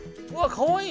かわいい。